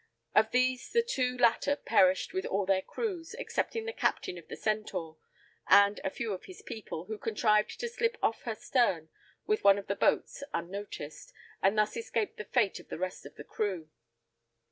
Of these the two latter perished with all their crews, excepting the captain of the Centaur, and a few of his people, who contrived to slip off her stern into one of the boats unnoticed, and thus escaped the fate of the rest of the crew.